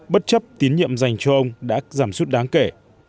bất chấp tín nhiệm dành cho ông đã giảm suốt đáng kể